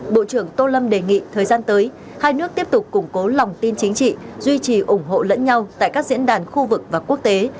bộ trưởng tô lâm đề nghị thời gian tới hai nước tiếp tục củng cố lòng tin chính trị duy trì ủng hộ lẫn nhau tại các diễn đàn khu vực và quốc tế